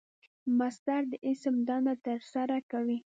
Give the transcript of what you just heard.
مصدر د اسم دنده ترسره کوي.